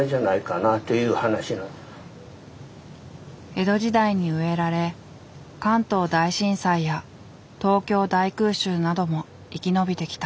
江戸時代に植えられ関東大震災や東京大空襲なども生き延びてきた。